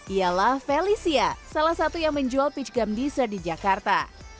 ialah felicia salah satu yang menjual peach gumdeson di jakarta